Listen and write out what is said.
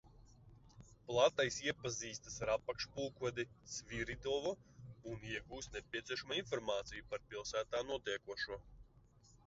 Platais iepazīstas ar apakšpulkvedi Sviridovu un iegūst nepieciešamo informāciju par pilsētā notiekošo.